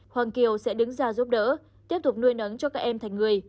hoàng kiều sẽ đứng ra giúp đỡ tiếp tục nuôi nấng cho các em thành người